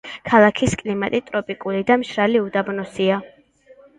ქალაქის კლიმატი ტროპიკული და მშრალი უდაბნოსია.